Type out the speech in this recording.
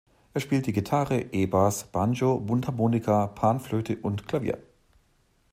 Er spielte Gitarre, E-Bass, Banjo, Mundharmonika, Panflöte und Klavier.